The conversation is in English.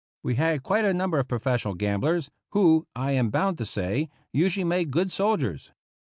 We had quite a number of professional gamblers, who, I am bound to say, usually made good soldiers.